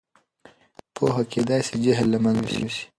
پوهه کېدای سي جهل له منځه یوسي.